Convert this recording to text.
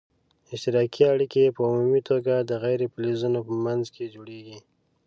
اشتراکي اړیکي په عمومي توګه د غیر فلزونو په منځ کې جوړیږي.